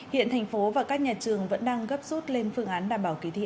hiện thành phố và các nhà trường vẫn đang gấp rút lên phương án đảm bảo kỳ thi